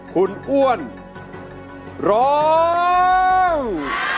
คุณอ้วนร้อง